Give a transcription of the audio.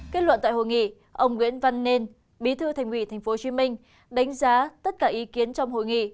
kết luận tại hội nghị ông nguyễn văn nên bí thư thành ủy tp hcm đánh giá tất cả ý kiến trong hội nghị